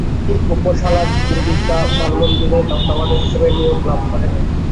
তিনি উপসালা জ্যোতির্বিদ্যা মানমন্দির এ তত্ত্বাবধায়ক হিসেবে নিয়োগ লাভ করেন।